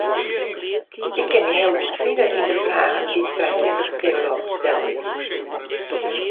Ik kin my heel goed fine yn de fragen dy't frijsinnige teologen stelle.